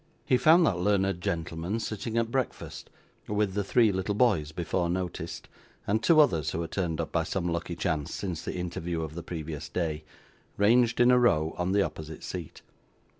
He found that learned gentleman sitting at breakfast, with the three little boys before noticed, and two others who had turned up by some lucky chance since the interview of the previous day, ranged in a row on the opposite seat.